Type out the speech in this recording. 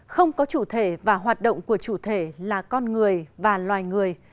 không có chủ thể và hoạt động của chủ thể là con người và loài người